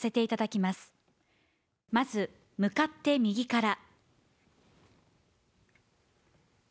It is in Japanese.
まず向かって右から」。